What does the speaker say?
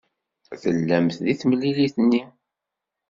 Tellamt deg temlilit-nni?